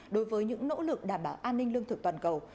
đối với những nỗ lực đảm bảo an ninh lương thực toàn cầu